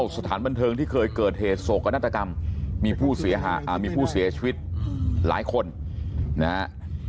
สถานบันเทิงที่เคยเกิดเหตุโสตกรรมมีผู้เสียชีวิตหลายคนนะครับ